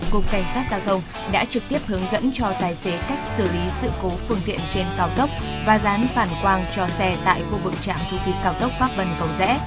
cục cảnh sát giao thông đã trực tiếp hướng dẫn cho tài xế cách xử lý sự cố phương tiện trên cao tốc và dán phản quang cho xe tại khu vực trạm thu phí cao tốc pháp vân cầu rẽ